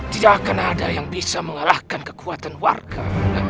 tidak akan ada yang bisa mengalahkan kekuatan warga